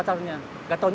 masih ga ada apa apa lagi